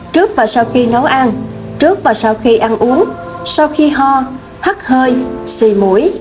trước và sau khi nấu ăn trước và sau khi ăn uống sau khi ho thắt hơi xì mũi